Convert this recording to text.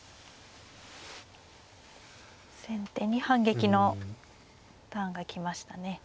先手に反撃のターンが来ましたね。